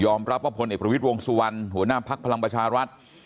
ยอมรับว่าผลเอกประวิทธิ์วงศ์สุวรรณหัวหน้าพลักษณ์พลังประชารัฐ